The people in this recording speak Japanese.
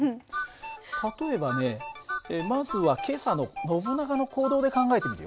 例えばねまずは今朝のノブナガの行動で考えてみるよ。